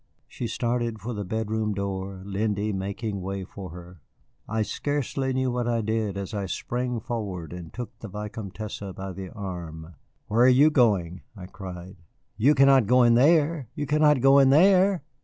She started for the bedroom door, Lindy making way for her. I scarcely knew what I did as I sprang forward and took the Vicomtesse by the arm. "Where are you going?" I cried. "You cannot go in there! You cannot go in there!"